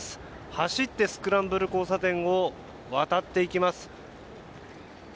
走ってスクランブル交差点を渡っていきます。